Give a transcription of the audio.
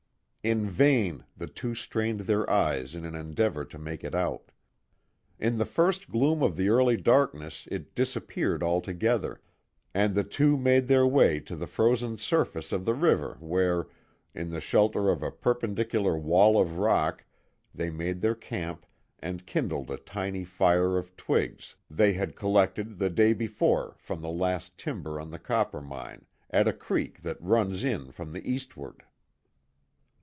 In vain the two strained their eyes in an endeavor to make it out. In the first gloom of the early darkness it disappeared altogether, and the two made their way to the frozen surface of the river where, in the shelter of a perpendicular wall of rock, they made their camp and kindled a tiny fire of twigs they had collected the day before from the last timber on the Coppermine, at a creek that runs in from the eastward.